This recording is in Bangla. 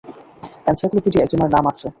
এনসাইক্লোপিডিয়ায় তোমার নাম আছে।